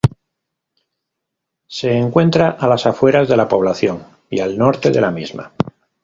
Se encuentra a las afueras de la población y al norte de la misma.